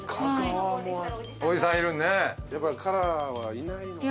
やっぱカラーはいないのか。